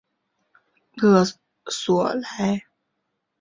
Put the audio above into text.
勒索莱。